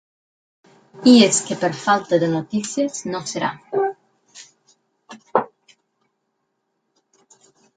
I és que per falta de notícies no serà.